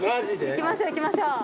いきましょういきましょう。